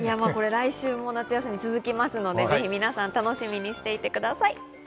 来週も続きますので、皆さん楽しみにしていてください。